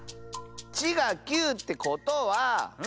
「ち」が９ってことは。